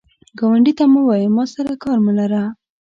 ګاونډي ته مه وایه “ما سره کار مه لره”